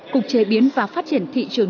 cục chế biến và phát triển thị trường